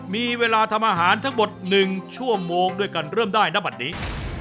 มีเวลาทำอาหารทั้งหมด๑ชั่วโมงด้วยกันเริ่มได้ณบัตรนี้